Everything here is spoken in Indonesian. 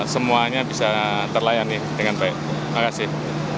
semuanya bisa terlayani dengan baik terima kasih